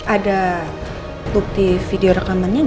ada bukti video rekamannya